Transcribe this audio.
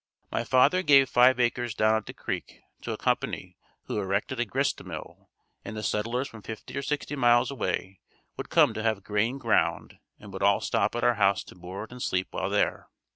My father gave five acres down at the creek to a company who erected a grist mill and the settlers from fifty or sixty miles away would come to have grain ground and would all stop at our house to board and sleep while there.